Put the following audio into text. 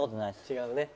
違うね！